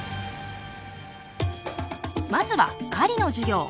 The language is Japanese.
まずは狩りの授業。